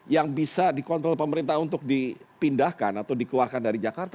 yang bisa dikontrol pemerintah untuk dipindahkan atau dikeluarkan dari jakarta